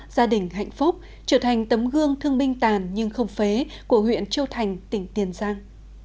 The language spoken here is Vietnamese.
gia đình hạnh phúc trở thành tấm gương thương binh tàn nhưng không phế của huyện châu thành tỉnh tiền giang